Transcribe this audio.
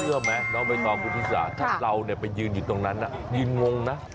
เชื่อไหมน้องใบทองพุทธศาสตร์ถ้าเราไปยืนอยู่ตรงนั้นยืนงงนะ